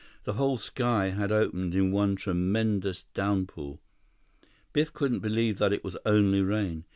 The whole sky had opened in one tremendous downpour. Biff couldn't believe that it was only rain.